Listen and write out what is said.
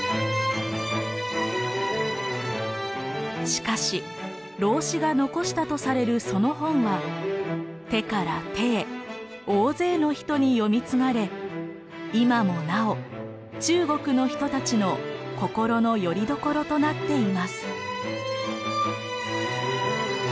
しかし老子が残したとされるその本は手から手へ大勢の人に読み継がれ今もなお中国の人たちの心のよりどころとなっています。